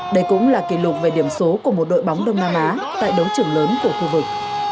đây cũng là kỷ lục về điểm số của một đội bóng đông nam á tại đấu trưởng lớn của khu vực